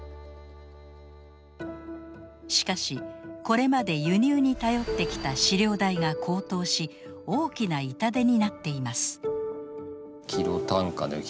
しかしこれまで輸入に頼ってきた飼料代が高騰し大きな痛手になっています。